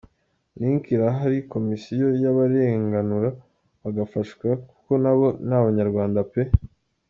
Link irahari komisiyo yabarenganura bgafashwa kuko nabo ni abanyarwanda pe!.